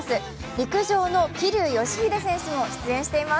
陸上の桐生祥秀選手も出演しています。